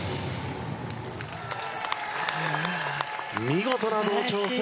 見事な同調性。